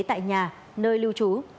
tại nhà nơi lưu trú